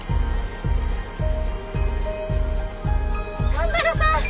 蒲原さん！